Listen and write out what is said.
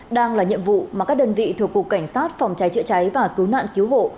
đang là nhiệm vụ mà các đơn vị thuộc cục cảnh sát phòng cháy chữa cháy và cứu nạn cứu hộ